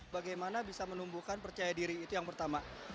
bagaimana bisa menumbuhkan percaya diri itu yang pertama